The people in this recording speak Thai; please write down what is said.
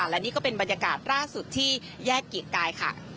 แล้วนี่ก็เป็นบรรยากาศยรักษณ์สุดที่แยกกิตกาย